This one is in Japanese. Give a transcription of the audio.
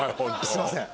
すいません。